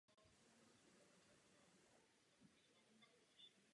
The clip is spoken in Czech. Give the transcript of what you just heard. Aktivní byla i v meziválečném Polsku.